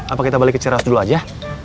apa kita balik ke ciras dulu aja